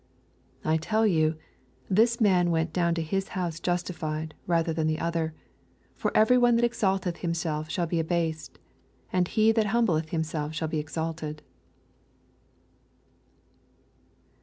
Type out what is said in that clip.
14 I tell you, this mwi went down to his house justified rather than the other : for every one that exalteth himself shall be abased ; and he that humbleth himself shall be exalted.